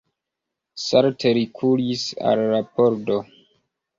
Salte li kuris al la pordo.